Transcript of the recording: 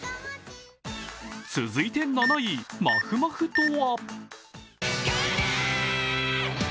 続いて７位、まふまふとは。